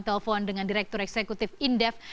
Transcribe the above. telepon dengan direktur eksekutif indef